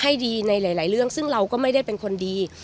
ให้ดีในหลายเรื่องซึ่งเราก็ไม่ได้เป็นคนดี